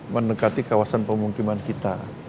menekati kawasan pemungkiman kita